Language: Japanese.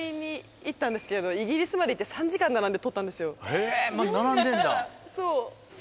へぇまだ並んでるんだ。